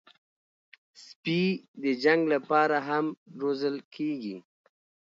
سپي د جنګ لپاره هم روزل کېږي.